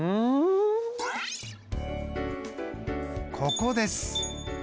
ここです。